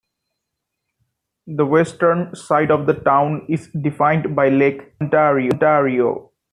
The western side of the town is defined by Lake Ontario.